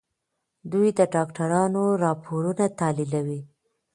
دوی د ډاکټرانو راپورونه تحليلوي.